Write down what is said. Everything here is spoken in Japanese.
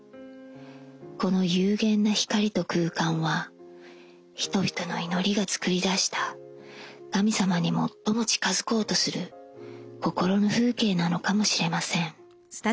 この幽玄な光と空間は人々の祈りが作り出した神様に最も近づこうとする心の風景なのかもしれません。